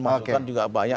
masukan juga banyak